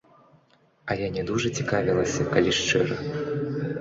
А я не дужа цікавілася, калі шчыра.